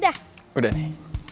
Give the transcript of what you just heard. udah udah nih